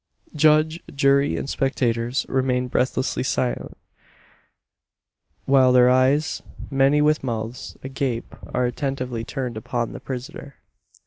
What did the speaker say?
Judge, jury, and spectators remain breathlessly silent; while their eyes many with mouths agape are attentively turned upon the prisoner.